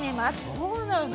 そうなんだ。